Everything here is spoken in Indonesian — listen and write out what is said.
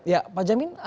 ya pak jamin